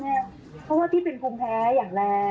เพราะว่าที่เป็นภูมิแพ้อย่างแรง